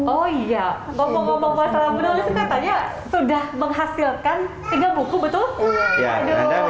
oh iya ngomong ngomong masalah menulis katanya sudah menghasilkan tiga buku betul